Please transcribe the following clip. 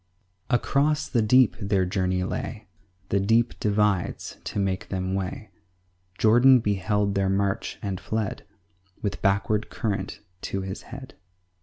2 Across the deep their journey lay; The deep divides to make them way: Jordan beheld their march, and fled With backward current to his head.